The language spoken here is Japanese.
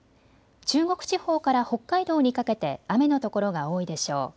中国地方から北海道にかけて雨の所が多いでしょう。